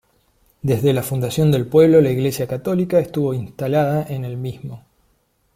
Desde la fundación del pueblo la Iglesia católica estuvo instalada en el mismo.